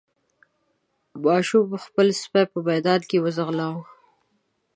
ماشوم خپل سپی په ميدان کې وځغلاوه.